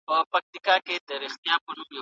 ملاتړ د ناروغ ځواک زیاتوي.